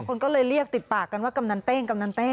คนก็เลยเรียกติดปากกันว่ากำนันเต้งกำนันเต้